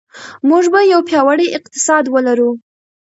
موږ به یو پیاوړی اقتصاد ولرو.